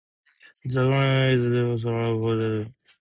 The curriculum is diverse and allows room for innovation by faculty.